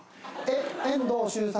遠藤周作。